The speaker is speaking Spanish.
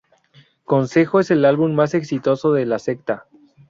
Consejo es el álbum más exitoso de La Secta.